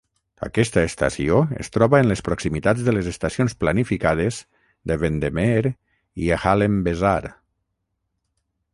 Aquesta estació es troba en les proximitats de les estacions planificades de Bendemeer i Halen Besar.